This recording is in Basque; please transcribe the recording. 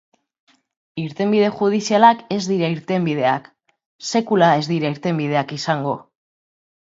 Irtenbide judizialak ez dira irtenbideak, sekula ez dira irtenbideak izango.